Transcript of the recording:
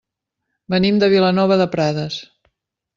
Venim de Vilanova de Prades.